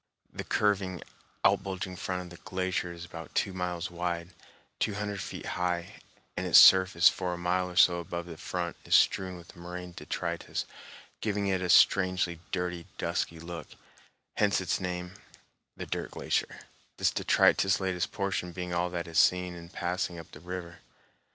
The curving, out bulging front of the glacier is about two miles wide, two hundred feet high, and its surface for a mile or so above the front is strewn with moraine detritus, giving it a strangely dirty, dusky look, hence its name, the "Dirt Glacier," this detritus laden portion being all that is seen in passing up the river.